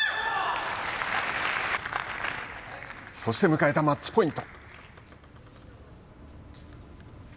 そして迎えたマッチポイント。